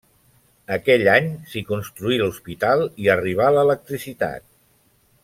Aquell any s'hi construí l'hospital i arribà l'electricitat.